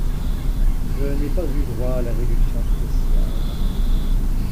Je n'ai pas eu droit à la réduction spéciale.